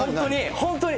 本当に。